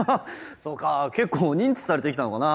そうか結構認知されて来たのかな？